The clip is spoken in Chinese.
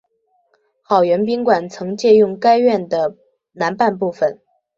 好园宾馆曾借用该院的南半部分。